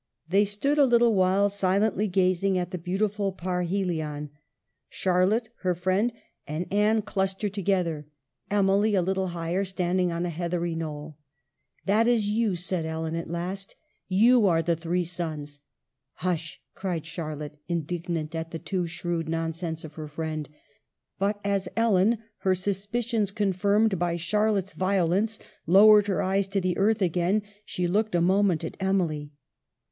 They stood a little while silently gazing at the beautiful parhelion ; Charlotte, her friend, and WRITING POETRY. 191 Anne clustered together, Emily a little higher, standing on a heathery knoll. " That is you !" said Ellen at last. " You are the three suns." " Hush !" cried Charlotte, indignant at the too shrewd nonsense of her friend ; but as Ellen, her suspicions confirmed by Charlotte's violence, lowered her eyes to the earth again, she looked a moment at Emily.